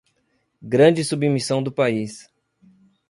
grande submissão do país